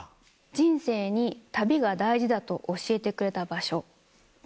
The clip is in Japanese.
人生に旅が大事だと教えてくれた場所です。